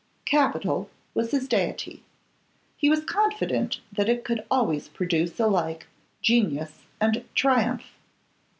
Capital was his deity. He was confident that it could always produce alike genius and triumph.